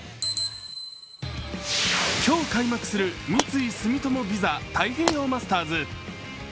今日開幕する三井住友ＶＩＳＡ太平洋マスターズ。